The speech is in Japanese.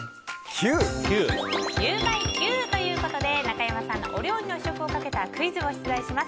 ゆウマいＱということで中山さんのお料理の試食をかけたクイズを出題します。